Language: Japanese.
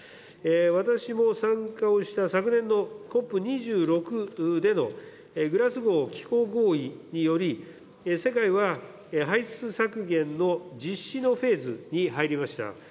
私も参加をした昨年のＣＯＰ２６でのグラスゴー気候合意により、世界は排出削減の実施のフェーズに入りました。